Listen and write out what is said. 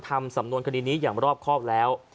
ทำสำนวนคดีนี้อย่างรอบครอบแล้ว